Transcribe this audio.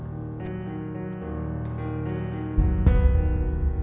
aku mau ke rumah